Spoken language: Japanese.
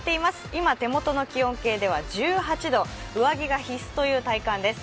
今手元の気温計では１８度、上着が必須という体感です。